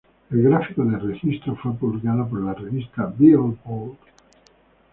El gráfico de registro fue publicado por la revista Billboard.